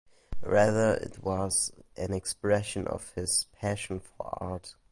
Rather it was an expression of his passion for art.